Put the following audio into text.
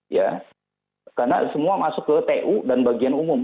ya karena semua masuk ke tu dan bagian umum